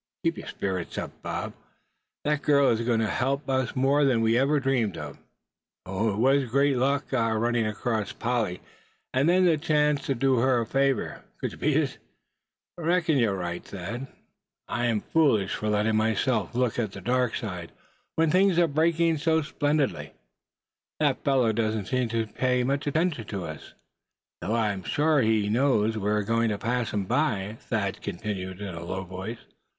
Keep your spirits up, Bob. That girl is going to help us more than we ever dreamed of." "It was great luck, our running across Polly; and then the chance to do her a favor, could you beat it? Reckon you're right, Thad; and I'm foolish for letting myself look at the dark side, when things are breaking so splendidly for me." "That fellow doesn't seem to pay much attention to us, though I'm sure he knows we're going to pass him by," Thad continued, in a lower voice.